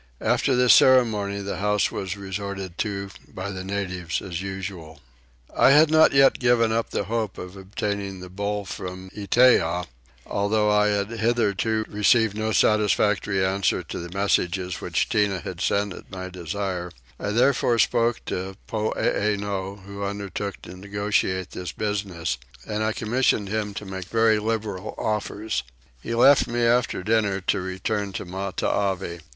After this ceremony the house was resorted to by the natives as usual. I had not yet given up the hope of obtaining the bull from Itteah, though I had hitherto received no satisfactory answer to the messages which Tinah had sent at my desire: I therefore spoke to Poeeno who undertook to negotiate this business, and I commissioned him to make very liberal offers. He left me after dinner to return to Matavai.